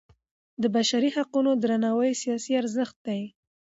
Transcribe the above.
د بشري حقونو درناوی سیاسي ارزښت دی